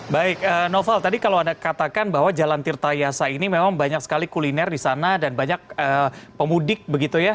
baik noval tadi kalau anda katakan bahwa jalan tirta yasa ini memang banyak sekali kuliner di sana dan banyak pemudik begitu ya